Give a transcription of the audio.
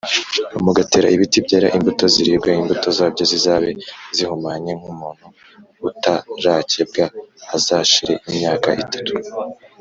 mugatera ibiti byera imbuto ziribwa imbuto zabyo zizabe zihumanye nk umuntu utarakebwe Hazashire imyaka itatu